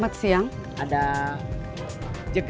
maaf nggak juga